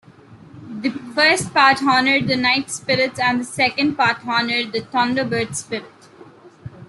The first part honored the night-spirits and the second part honored the Thunderbird spirit.